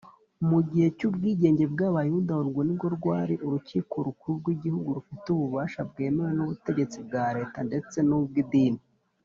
Mu gihe cy’ubwigenge bw’Abayuda, urwo ni rwo rwari Urukiko Rukuru rw’igihugu, rufite ububasha bwemewe n’ubutegetsi bwa Leta ndetse n’ubw’idini